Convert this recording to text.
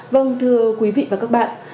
vâng thưa quý vị và các bạn